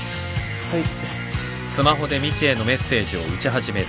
はい。